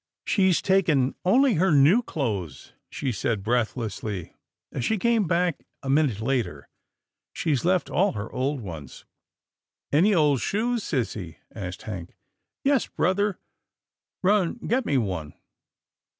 " She's taken only her new clothes," she said breathlessly, as she came back a minute later, " she's left all her old ones." " Any old shoes, sissy? " asked Hank. " Yes, brother." " Run get me one."